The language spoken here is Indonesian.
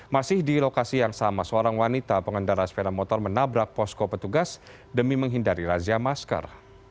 masih di lokasi yang sama seorang wanita pengendara sepeda motor menabrak posko petugas demi menghindari razia masker